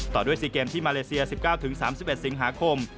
ต่อด้วย๔เกมที่มาเลเซีย๑๙๓๑สิงหาคม